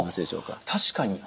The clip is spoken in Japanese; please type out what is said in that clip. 確かに！